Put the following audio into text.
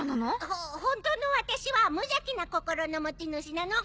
ほ本当の私は無邪気な心の持ち主なの。